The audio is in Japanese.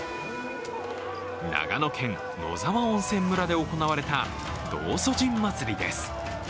長野県・野沢温泉村で行われた道祖神祭りです。